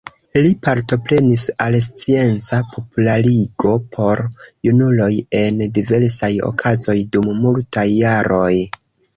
Li partoprenis al scienca popularigo por junuloj en diversaj okazoj dum multaj jaroj.